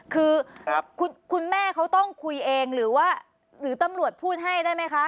คือคุณแม่เขาต้องคุยเองหรือว่าหรือตำรวจพูดให้ได้ไหมคะ